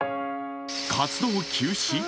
活動休止？